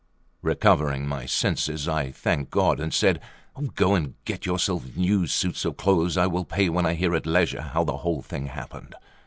Recovering my senses, I thanked God, and said: "Go and get yourselves new suits of clothes; I will pay when I hear at leisure how the whole thing happened."